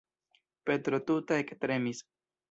Petro tuta ektremis.